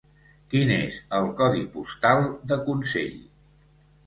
Quin és el codi postal de Consell?